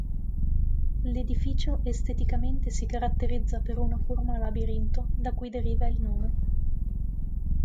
L'edificio esteticamente si caratterizza per una forma a labirinto, da cui deriva il nome.